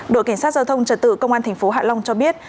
đội cảnh sát giao thông trật tự công an tp hạ long cho biết